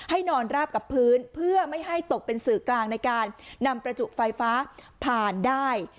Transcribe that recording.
นอนราบกับพื้นเพื่อไม่ให้ตกเป็นสื่อกลางในการนำประจุไฟฟ้าผ่านได้